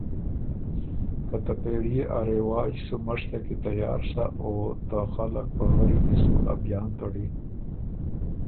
که ته پېړيې ا رواج سُو مشتک کی تیار سَۀ او ته خلق پغري کی سُو ا بیان تَړی۔